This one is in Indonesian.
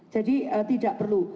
jadi tidak perlu